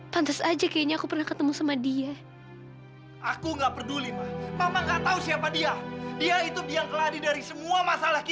tante percaya kalau kamu tidak akan lapor polisi